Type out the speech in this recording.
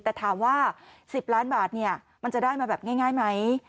แต่ถามว่า๑๐ล้านบาทมันจะได้มาแบบง่ายไหม